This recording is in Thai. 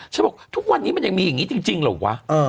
ฉันบอกทุกวันนี้มันยังมีอย่างนี้จริงเหรอวะ